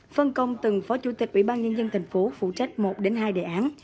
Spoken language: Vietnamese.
phân công từng phó chủ tịch ubnd tp phụ trách một hai đề án